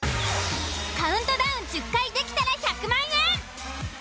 カウントダウン１０回できたら１００万円！